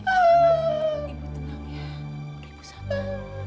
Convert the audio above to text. ibu tenang ya